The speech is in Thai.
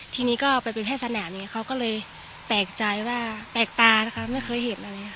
ทีนี้ก็ไปผ้าสนามเขาก็เลยแปลกตาไม่เคยเห็น